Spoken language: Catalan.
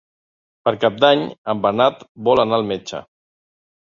Per Cap d'Any en Bernat vol anar al metge.